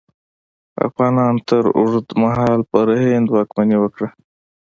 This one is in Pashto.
افغانانو تر اوږده مهال پر هند واکمني وکړه.